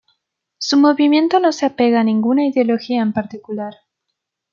Su movimiento no se apega a ninguna ideología en particular.